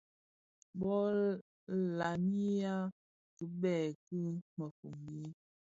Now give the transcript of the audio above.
Bo lamiya kibèè ki mëfombi,